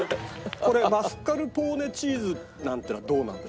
これマスカルポーネチーズなんていうのはどうなんですか？